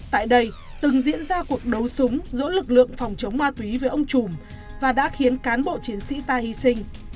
tại đây từng diễn ra cuộc đấu súng giữa lực lượng phòng chống ma túy với ông trùm và đã khiến cán bộ chiến sĩ ta hy sinh